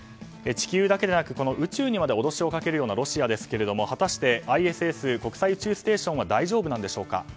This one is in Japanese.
地球だけでなく宇宙にまで脅しをかけるようなロシアですけれども、果たしてＩＳＳ・国際宇宙ステーションは大丈夫なんでしょうか。